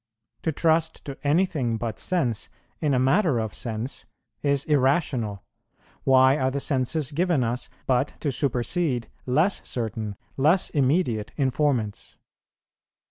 To trust to anything but sense in a matter of sense is irrational; why are the senses given us but to supersede less certain, less immediate informants?